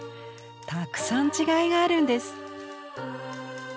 たくさん違いがあるんです。